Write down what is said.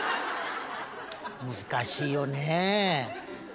難しいよね。